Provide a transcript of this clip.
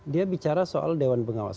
dia bicara soal dewan pengawas